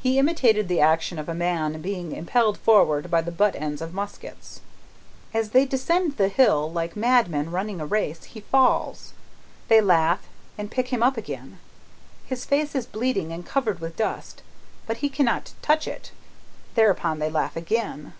He imitated the action of a man's being impelled forward by the butt ends of muskets. "As they descend the hill like madmen running a race, he falls. They laugh and pick him up again. His face is bleeding and covered with dust, but he cannot touch it; thereupon they laugh again.